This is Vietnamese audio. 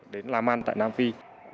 đến làm ăn tại nam phi